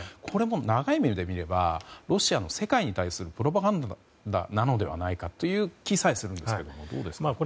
これは長い目で見ればロシアの世界に対するプロパガンダなのではないかという気さえするんですがどうですか？